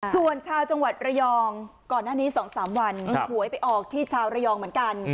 ส่วนชาวจังหวัดระยองก่อนหน้านี้๒๓วันหวยไปออกที่ชาวระยองเหมือนกัน